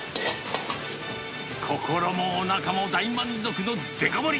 心もおなかも大満足のデカ盛り。